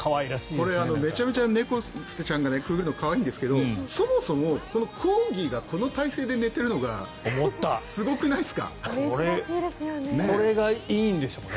これめちゃくちゃ猫ちゃんがくぐるの可愛いんですがそもそもこのコーギーがこの体勢で寝ているのがこれがいいんでしょうね。